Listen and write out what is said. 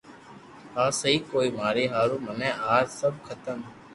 آ سھي ڪوئي ماري ھارو مني اج سب ختم